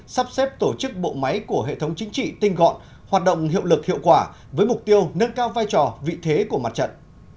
sắp xếp tổ chức bộ máy của hệ thống chính trị tinh gọn hoạt động hiệu lực hiệu quả với mục tiêu nâng cao vai trò vị thế của mặt trận